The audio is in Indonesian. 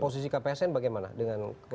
posisi kpsn bagaimana dengan keinginan pak